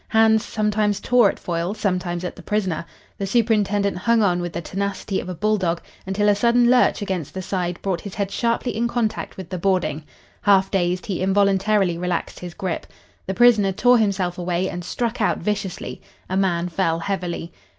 Hands sometimes tore at Foyle, sometimes at the prisoner. The superintendent hung on with the tenacity of a bulldog, until a sudden lurch against the side brought his head sharply in contact with the boarding. Half dazed, he involuntarily relaxed his grip. The prisoner tore himself away and struck out viciously. A man fell heavily.